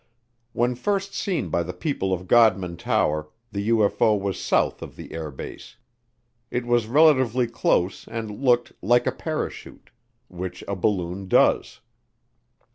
When first seen by the people in Godman Tower, the UFO was south of the air base. It was relatively close and looked "like a parachute," which a balloon does.